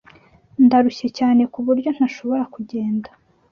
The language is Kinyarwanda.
Ndarushye cyane ku buryo ntashobora kugenda.